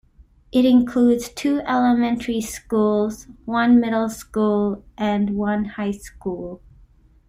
It includes two elementary schools, one middle school, and one high school.